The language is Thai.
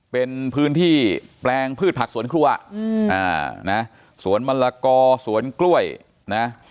เป็นพื้นที่แปลงพืชผักสวนครัวนะสวนมะละกอสวนกล้วยนะ